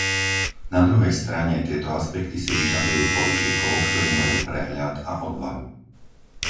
Na druhej strane, tieto aspekty si vyžadujú politikov, ktorí majú prehľad a odvahu.